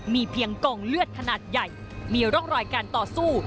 มีเพียงกองเลือดขนาดใหญ่มีร่องรอยการต่อสู้